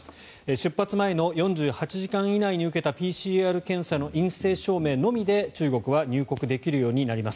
出発前の４８時間以内に受けたＰＣＲ検査の陰性証明のみで、中国は入国できるようになります。